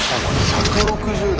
１６０台！